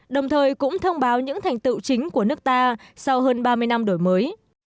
đồng thời cũng thông báo những thành tựu chính của nước ta sau hơn ba mươi năm đổi mới